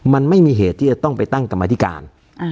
มันไม่มีเหตุที่จะต้องไปตั้งกรรมธิการ